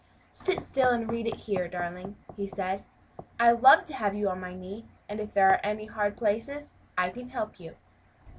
"Sit still and read it here, darling," he said, "I love to have you on my knee, and if there are any hard places I can help you."